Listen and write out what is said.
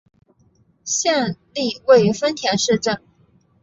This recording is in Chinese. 县莅位于丰田市镇。